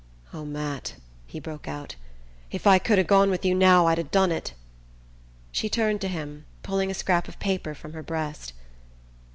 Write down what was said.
"Oh, Matt," he broke out, "if I could ha' gone with you now I'd ha' done it " She turned to him, pulling a scrap of paper from her breast.